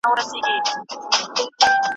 ناز دي کمه سوله دي کم جنګ دي کم